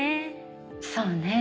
そうね。